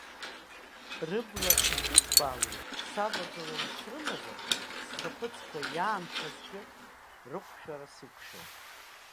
Рыбла ихызбаалоит, савагаланы срымазар, схаԥыцқәа иаанхазгьы рыҟәшәара сықәшәон.